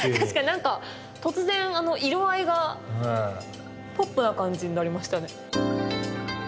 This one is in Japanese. なんか突然あの色合いがポップな感じになりましたね。